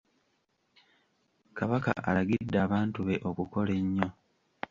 Kabaka alagidde abantu be okukola ennyo.